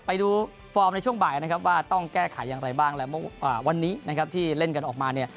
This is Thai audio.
ฟอร์มในช่วงบ่ายนะครับว่าต้องแก้ไขอย่างไรบ้างและวันนี้นะครับที่เล่นกันออกมาเนี่ย